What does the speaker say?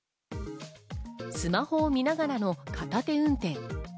スマホを見ながらの片手運転。